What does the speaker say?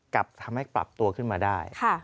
กลับทำให้ปรับตัวขึ้นมาได้